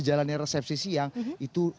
jalannya resepsi siang itu